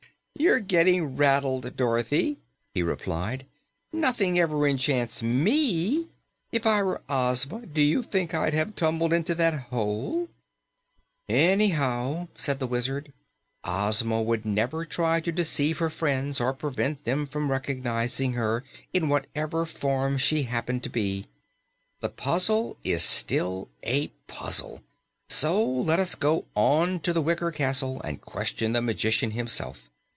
"You're getting rattled, Dorothy," he replied. "Nothing ever enchants ME. If I were Ozma, do you think I'd have tumbled into that hole?" "Anyhow," said the Wizard, "Ozma would never try to deceive her friends or prevent them from recognizing her in whatever form she happened to be. The puzzle is still a puzzle, so let us go on to the wicker castle and question the magician himself.